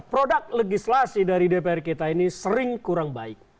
produk legislasi dari dpr kita ini sering kurang baik